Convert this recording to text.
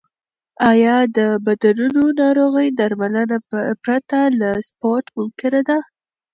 آیا د بندونو ناروغي درملنه پرته له سپورت ممکنه ده؟